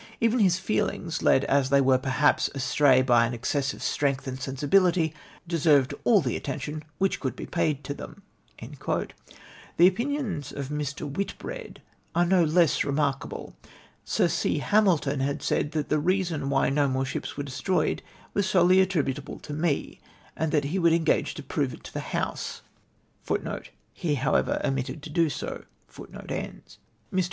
Even his feelings, led as they were, perhaps, astray by an excess of strength and sensibility, deserved all the attention which could be paid to them." Tlie opinions of Mr. Whitbread are no less re markable. Sir C. Hamilton had said that the reason why no more ships were destroyed was solely attri butable to me ! and that he would engage to prove it to the House.f Mr.